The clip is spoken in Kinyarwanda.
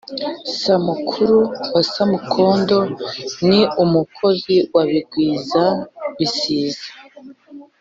Samukuru wa Samukondo ni umukozi wa Rugwizabisiza